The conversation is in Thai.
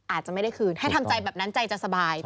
อาจจะไม่ได้คืนให้ทำใจแบบนั้นใจจะสบาย